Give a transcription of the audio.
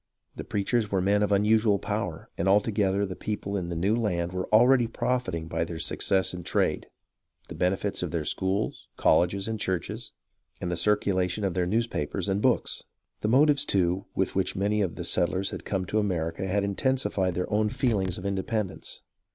The preachers were men of unusual power, and all together the people in the new land were already profiting by their success in trade, the benefits of their schools, colleges, and churches, and the circulation of their newspapers and books. The motives, too, with which many of the settlers had come to America had intensified their own feeling of inde pendence.